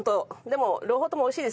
でも。